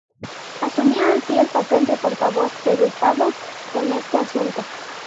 Asumía así el papel de portavoz del Estado en este asunto.